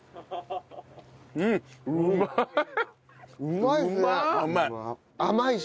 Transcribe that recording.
うまい。